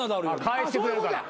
返してくれるから。